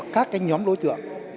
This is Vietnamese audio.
các cái nhóm đối tượng